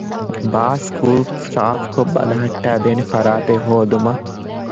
ބާސްކޫލް ސާފްކޮށް ބަލަހައްޓައިދޭނެ ފަރާތެއް ހޯދުމަށް